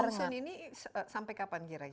person ini sampai kapan kira kira